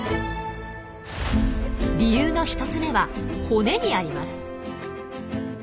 理由の１つ目は骨にあります。